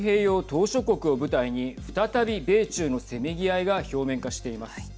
島しょ国を舞台に再び、米中のせめぎ合いが表面化しています。